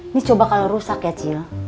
ini coba kalau rusak ya cil